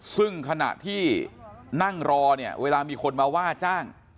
ซึ่งขณะที่นั่งรอเนี่ยเวลามีคนมาว่าจ้าง